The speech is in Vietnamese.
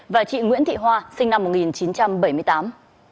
và chị nguyễn thị hoa sinh năm một nghìn chín trăm bảy mươi tám